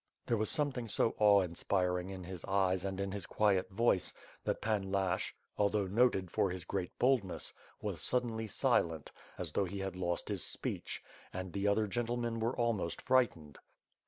There was something so awe inspiring in his eyes and in his quiet voice that Pan Lashch, although noted for his great boldness, was suddenly silent, as though he had lost his speech; and the other gentlemen were almost frightened.